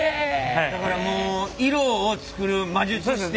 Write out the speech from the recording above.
だからもう色を作る魔術師的な。